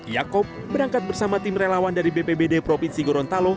yaakob berangkat bersama tim relawan dari bpbd provinsi gorontalo